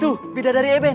tuh beda dari eben